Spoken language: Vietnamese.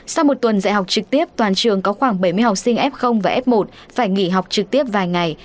sau một tuần dạy học trực tiếp toàn trường có khoảng bảy mươi học sinh f và f một phải nghỉ học trực tiếp vài ngày